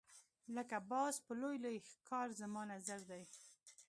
لکه باز په لوی لوی ښکار زما نظر دی.